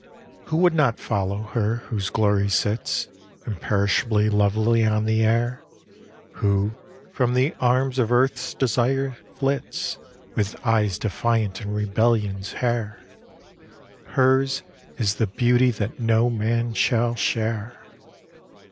Who would not follow her whose glory sits, Imperishably lovely on the air? Who, from the arms of Earth's desire, flits With eyes defiant and rebellions hair? Hers is the beauty that no man shall share.